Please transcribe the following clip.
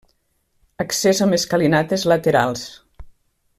Accés amb escalinates laterals.